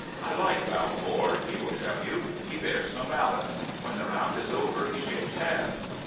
I like Balfour/' he will tell you. " He bears no malice. When the round is over he shakes hands.